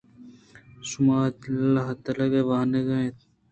شُما ھالتاک ءَ وانگ ءَ اِت ات۔